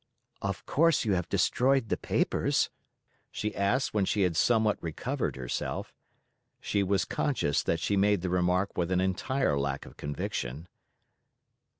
"Of course you have destroyed the papers?" she asked, when she had somewhat recovered herself. She was conscious that she made the remark with an entire lack of conviction.